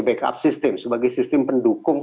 backup sistem sebagai sistem pendukung